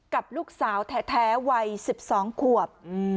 กับลูกสาวแท้วัย๑๒ขวบ